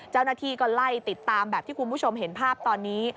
เจ้าหน้าที่ก็ไล่ติดตามแบบที่คุณผู้ชมเห็นภาพตอนนี้